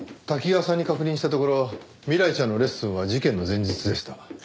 多岐川さんに確認したところ未来ちゃんのレッスンは事件の前日でした。